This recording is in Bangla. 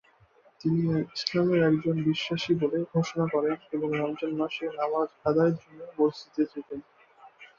তিনি ইসলামের একজন বিশ্বাসী বলে ঘোষণা করেন এবং রমজান মাসে নামাজ আদায়ের জন্য মসজিদ যেতেন।